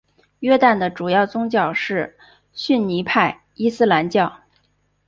约旦的主要宗教是逊尼派伊斯兰教。